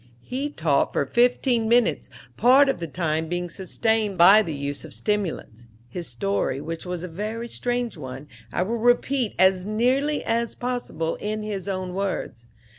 He talked for fifteen minutes, part of the time being sustained by the use of stimulants. His story, which was a very strange one, I will repeat as nearly as possible in his own words.